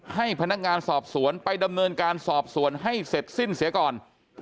ให้พนักงานสอบสวนไปดำเนินการสอบสวนให้เสร็จสิ้นเสียก่อน